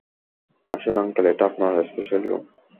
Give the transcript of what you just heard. আসেন আঙ্কেল, এটা আপনার স্পেশাল রুম।